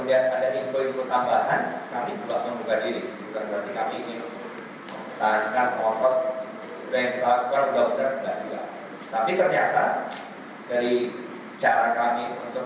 penilaian yang dilakukan tidak ditemukan adanya keraguan kepada enzo dan seluruh taruna lain yang diterima beberapa waktu lalu